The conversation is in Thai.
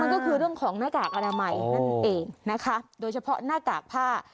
ก็คือเรื่องของหน้ากากอนามัยนั่นเองนะคะโดยเฉพาะหน้ากากผ้า